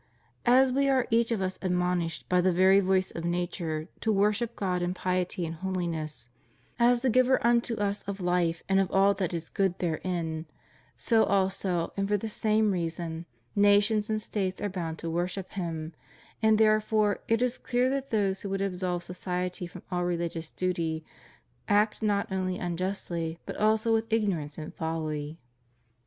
As we are each of us admonished by the very voice of nature to worship God in piety and holiness, as the Giver unto us of life and of all that is good therein, so also and for the same reason, nations and States are bound to worship Him; and therefore it is clear that those who would absolve society from all religious duty act not only unjustly but also with ignorance and foUy.